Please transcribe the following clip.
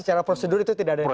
secara prosedur itu tidak ada yang